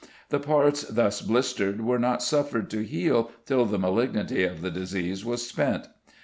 The parts thus blistered were not suffered to heal till the malignity of the disease was spent.